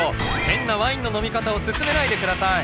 変なワインの飲み方を勧めないで下さい！